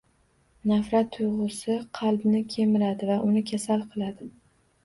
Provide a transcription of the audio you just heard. Nafrat tuyg‘usi qalbni kemiradi va uni kasal qiladi